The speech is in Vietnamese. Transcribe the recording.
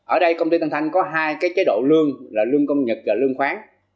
ở đây công ty tân thanh có hai chế độ lương là lương công nhật và lương khoáng